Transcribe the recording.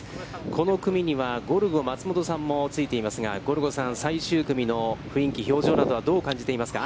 この組にはゴルゴ松本さんもついていますが、ゴルゴさん、最終組の雰囲気、表情などはどう感じていますか。